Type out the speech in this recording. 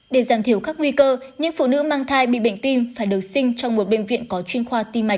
để giảm thiểu các nguy cơ những phụ nữ mang thai bị bệnh tim phải được sinh trong một bệnh viện có chuyên khoa tim mạch